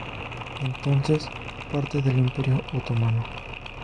Entonces parte del imperio otomano.